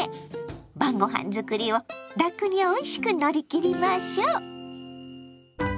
晩ごはん作りをラクにおいしく乗り切りましょう！